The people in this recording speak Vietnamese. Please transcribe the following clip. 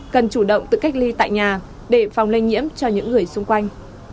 cần chủ động tự cách ly tại nhà để phòng lây nhiễm cho những người xung quanh